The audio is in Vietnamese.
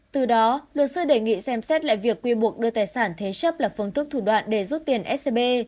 từ đó luật sư đề nghị xem xét lại việc quy buộc đưa tài sản thế chấp là phương thức thủ đoạn để rút tiền scb